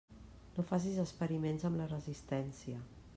No facis experiments amb la resistència.